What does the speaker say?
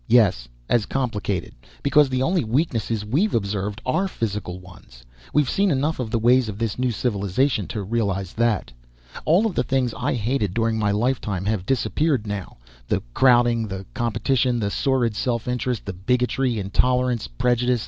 "Yes, as complicated. Because the only weaknesses we've observed are physical ones. We've seen enough of the ways of this new civilization to realize that. "All of the things I hated during my lifetime have disappeared now the crowding, the competition, the sordid self interest, the bigotry, intolerance, prejudice.